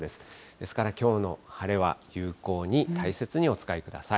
ですからきょうの晴れは有効に、大切にお使いください。